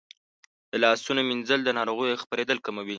د لاسونو مینځل د ناروغیو خپرېدل کموي.